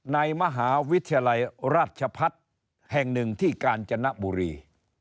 ในมหาวิทยาลัยราชพัฒน์แห่งหนึ่งที่กาญจนบุรี